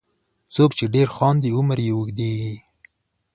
• څوک چې ډېر خاندي، عمر یې اوږدیږي.